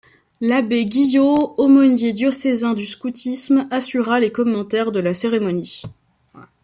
L'abbé Guillot, aumônier diocésain du scoutisme, assura les commentaires de la cérémonie.